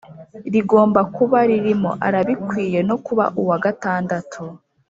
rigomba kuba ririmo Arabikwiye no kuba uwa gatandatu